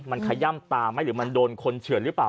มันขย่ำตาไหมหรือมันโดนคนเฉื่อนหรือเปล่า